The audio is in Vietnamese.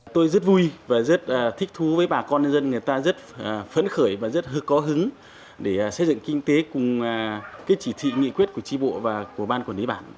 tôi rất vui và rất thích thú với bà con nhân dân người ta rất phấn khởi và rất hư có hứng để xây dựng kinh tế cùng cái chỉ thị nghị quyết của tri bộ và của ban quản lý bản